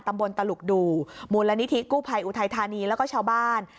ตลุกดูมูลนิธิกู้ภัยอุทัยธานีแล้วก็ชาวบ้าน